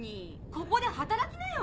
ここで働きなよ。